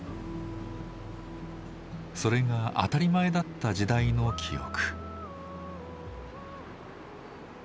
それが当たり前だった時代の記憶。